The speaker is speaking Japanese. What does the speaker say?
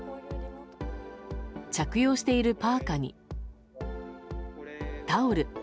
着用しているパーカに、タオル。